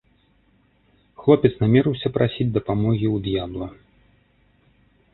Хлопец намерыўся прасіць дапамогі ў д'ябла.